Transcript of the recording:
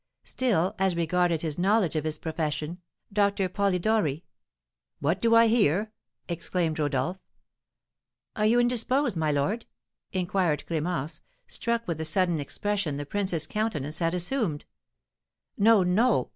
Still, as regarded his knowledge of his profession, Doctor Polidori " "What do I hear?" exclaimed Rodolph. "Are you indisposed, my lord?" inquired Clémence, struck with the sudden expression the prince's countenance had assumed. "No, no!"